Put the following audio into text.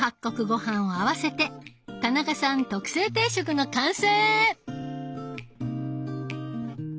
ごはんを合わせて田中さん特製定食の完成！